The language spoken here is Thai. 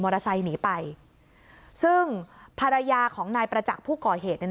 มอเตอร์ไซต์หนีไปซึ่งภรรยาของนายประจักษ์ผู้ก่อเหตุเนี้ย